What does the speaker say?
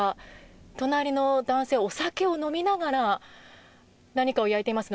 隣の男性、お酒を飲みながら何かを焼いていますね。